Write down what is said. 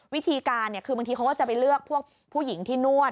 วิธีการคือบางทีเขาก็จะไปเลือกพวกผู้หญิงที่นวด